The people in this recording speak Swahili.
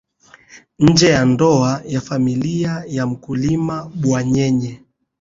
nje ya ndoa ya familia ya mkulima bwanyenye